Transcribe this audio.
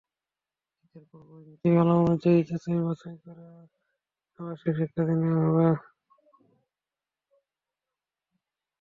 ঈদের পরপরই নীতিমালা অনুযায়ী যাচাই-বাছাই শেষ করে আবাসিক শিক্ষার্থী নেওয়া হবে।